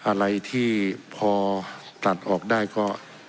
อะไรที่พอตัดออกได้ก็